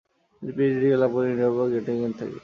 তিনি PhD degree লাভ করেন ইউনিভার্সিটি অফ গ্যটিঙেন থেকে।